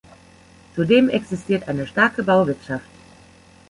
Zudem existiert eine starke Bauwirtschaft.